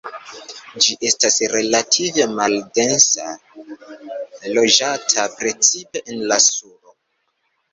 Ĝi estas relative maldense loĝata, precipe en la sudo.